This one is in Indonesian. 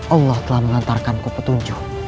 allah telah mengantarkanku petunjuk